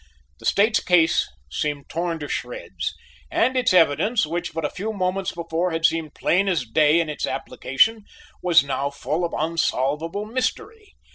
The State's case seemed torn to shreds, and its evidence, which but a few moments before had seemed plain as day in its application, was now full of unsolvable mystery.